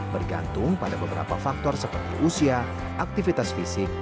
bergantung pada beberapa faktor seperti usia aktivitas fisik